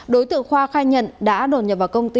đối tượng khoa khai nhận đã đột nhập vào công ty